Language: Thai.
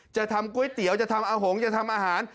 จะทำก๋วยเตี๋ยวจะทำอาหารจะทำอาหาร